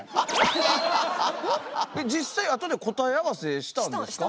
実際あとで答え合わせしたんですか？